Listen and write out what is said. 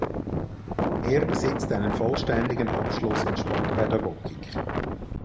Er besitzt einen vollständigen Abschluss in Sportpädagogik.